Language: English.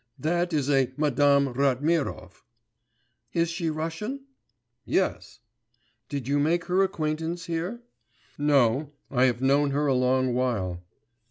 That is a Madame Ratmirov.' 'Is she Russian?' 'Yes.' 'Did you make her acquaintance here?' 'No; I have known her a long while.